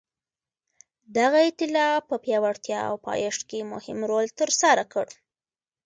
دغه ایتلاف په پیاوړتیا او پایښت کې مهم رول ترسره کړ.